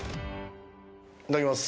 いただきます。